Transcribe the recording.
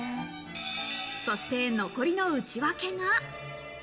そして残りの内訳が。